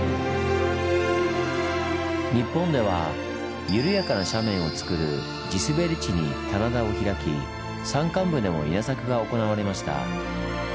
日本ではゆるやかな斜面をつくる地すべり地に棚田を開き山間部でも稲作が行われました。